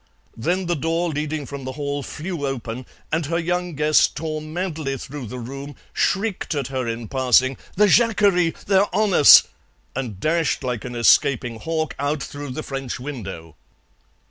Then the door leading from the hall flew open and her young guest tore madly through the room, shrieked at her in passing, "The jacquerie! They're on us!" and dashed like an escaping hawk out through the French window.